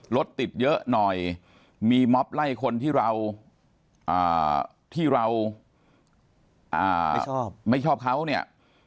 รถติดเยอะหน่อยมีม็อบไล่คนที่เราที่เราไม่ชอบเขาเนี่ย